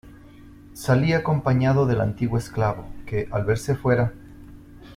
salí acompañado del antiguo esclavo, que , al verse fuera